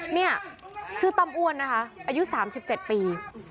นี่ชื่อตั้มอ้วนนะคะอายุ๓๗ปี